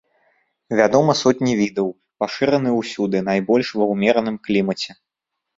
Вядома сотні відаў, пашыраны ўсюды, найбольш ва ўмераным клімаце.